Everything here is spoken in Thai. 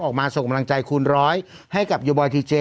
ออกมาส่งกำลังใจคูณร้อยให้กับโยบอยทีเจ